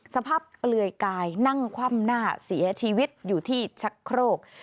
เปลือยกายนั่งคว่ำหน้าเสียชีวิตอยู่ที่ชักโครก